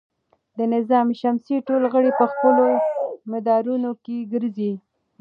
د نظام شمسي ټول غړي په خپلو مدارونو کې ګرځي.